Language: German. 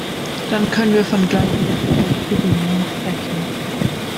Dann können wir von gleichen Wettbewerbsbedingungen sprechen.